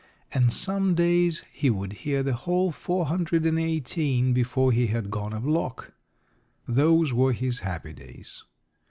And some days he would hear the whole four hundred and eighteen before we had gone a block. Those were his happy days.